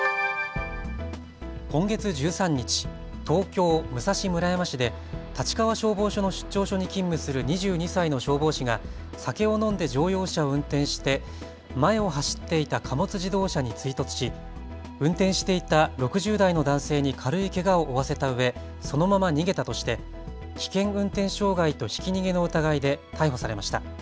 今月１３日、東京武蔵村山市で立川消防署の出張所に勤務する２２歳の消防士が酒を飲んで乗用車を運転して前を走っていた貨物自動車に追突し運転していた６０代の男性に軽いけがを負わせたうえ、そのまま逃げたとして危険運転傷害とひき逃げの疑いで逮捕されました。